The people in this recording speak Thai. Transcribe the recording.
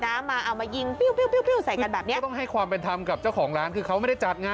ลงตรวจห้ามเป็นระยะเบาได้เบา